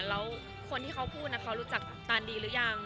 แล้วคนที่เขาพูดเขารู้จักกัปตันดีหรือยัง